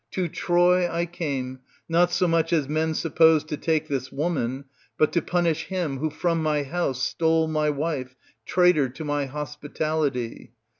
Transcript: To Troy I came, not so much as men suppose to take this woman, but to punish him who from my house stole my wife, traitor to my hospitality.